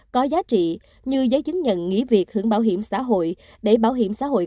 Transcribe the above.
có giá trị như giấy chứng nhận nghỉ việc hưởng bảo hiểm xã hội để bảo hiểm xã hội